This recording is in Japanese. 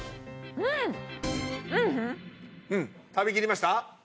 うん食べきりました？